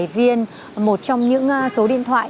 viên một trong những số điện thoại